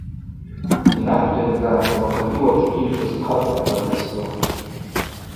Йнахвта йга – уахъагьи уачӏвгьи йшвызхъапӏ, – ахӏватӏ ацгвы.